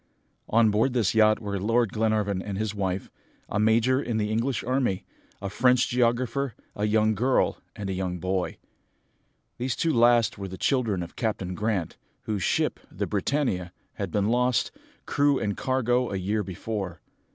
On board this yacht were Lord Glenarvan and his wife, a major in the English army, a French geographer, a young girl, and a young boy. These two last were the children of Captain Grant, whose ship, the Britannia, had been lost, crew and cargo, a year before.